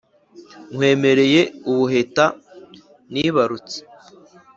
nkwemereye ubuheta nibarutse,